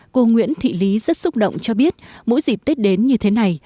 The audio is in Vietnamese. cô nguyễn thị lý rất xúc động cho biết mỗi dịp tết đến như thế này